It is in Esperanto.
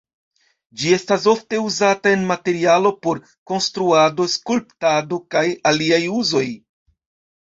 Ĝi estas ofte uzata en materialo por konstruado, skulptado, kaj aliaj uzoj.